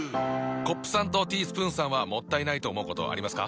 コップさんとティースプーンさんはもったいないと思うことありますか？